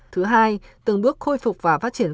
thứ hai từng bước khôi phục và phát triển